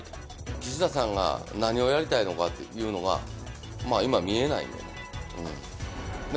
岸田さんが何をやりたいのかというのが、今、見えないんでね。